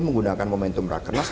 menggunakan momentum rakernas